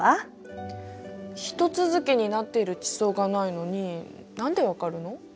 ひと続きになっている地層がないのに何でわかるの？